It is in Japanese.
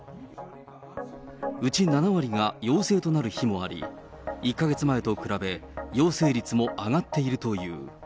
うち７割が陽性となる日もあり、１か月前と比べ、陽性率も上がっているという。